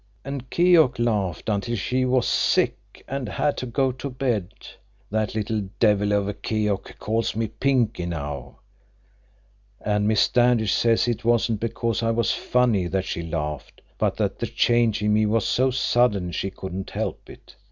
And Keok laughed until she was sick an' had to go to bed. That little devil of a Keok calls me Pinkey now, and Miss Standish says it wasn't because I was funny that she laughed, but that the change in me was so sudden she couldn't help it.